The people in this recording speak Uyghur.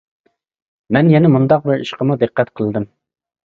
مەن يەنە مۇنداق بىر ئىشقىمۇ دىققەت قىلدىم.